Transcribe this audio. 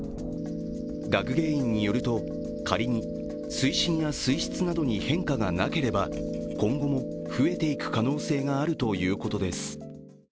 学芸員によると仮に水深や水質などに変化がなければ今後も増えていく可能性があるということです